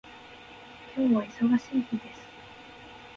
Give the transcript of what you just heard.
今日は忙しい日です